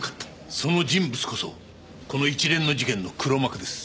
その人物こそこの一連の事件の黒幕です。